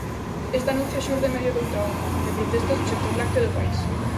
Este anuncio xurde en medio doutra onda de protestas no sector lácteo do país.